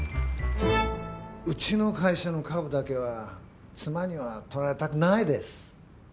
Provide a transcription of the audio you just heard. ウチの会社の株だけは妻には取られたくないです。